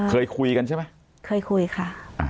เคยคุยกันใช่ไหมเคยคุยค่ะ